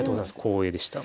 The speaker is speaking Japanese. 光栄でした。